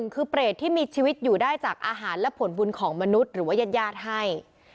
คือเปรตที่มีชีวิตอยู่ได้จากอาหารและผลบุญของมนุษย์หรือว่ายาดให้